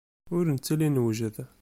Ur nettili newjed.